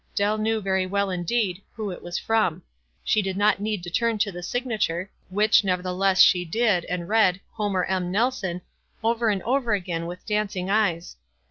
Dell knew very well, indeed, who it was from. She did not need to turn to the signature, which, neverthe less, she did, and read, "Homer M. Nelson," over and over again, with dancing eyes.